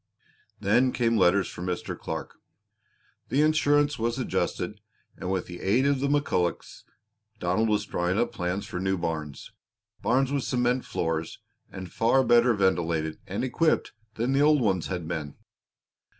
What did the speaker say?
Then came letters for Mr. Clark. The insurance was adjusted and with the aid of the McCullochs, Donald was drawing up plans for new barns barns with cement floors, and far better ventilated and equipped than the old ones had been.